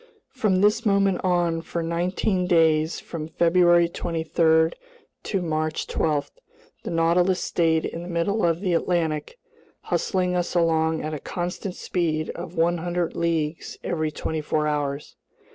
From this moment on, for nineteen days from February 23 to March 12, the Nautilus stayed in the middle of the Atlantic, hustling us along at a constant speed of 100 leagues every twenty four hours.